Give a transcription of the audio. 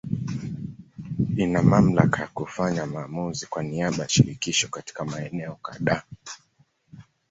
Ina mamlaka ya kufanya maamuzi kwa niaba ya Shirikisho katika maeneo kadhaa.